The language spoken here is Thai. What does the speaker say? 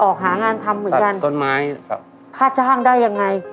ออกหางานทำเหมือนกันต้นไม้ครับค่าจ้างได้ยังไง